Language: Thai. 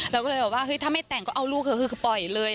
เราก็เลยบอกว่าเฮ้ยถ้าไม่แต่งก็เอาลูกเถอะคือปล่อยเลย